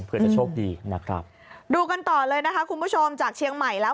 เพื่อจะโชคดีนะครับดูกันต่อเลยนะคะคุณผู้ชมจากเชียงใหม่แล้ว